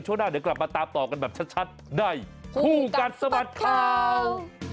ช่วงหน้าเดี๋ยวกลับมาตามต่อกันแบบชัดได้ผู้กันสมัครข่าว